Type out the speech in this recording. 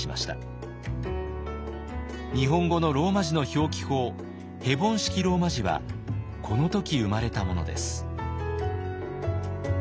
日本語のローマ字の表記法ヘボン式ローマ字はこの時生まれたものです。